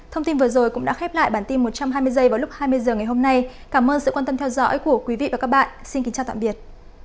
thông tin vừa rồi cũng đã khép lại bản tin một trăm hai mươi h vào lúc hai mươi h ngày hôm nay cảm ơn sự quan tâm theo dõi của quý vị và các bạn xin kính chào tạm biệt